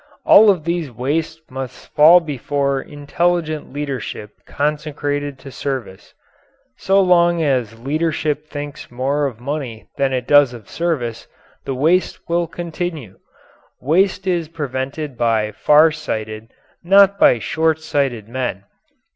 All of these wastes must fall before intelligent leadership consecrated to service. So long as leadership thinks more of money than it does of service, the wastes will continue. Waste is prevented by far sighted not by short sighted men.